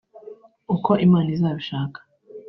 ” Uko Imana izabishaka